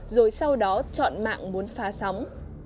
rồi sau đó chọn mạng muốn phá sóng